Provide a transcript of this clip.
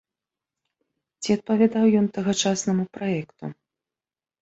Ці адпавядаў ён тагачаснаму праекту?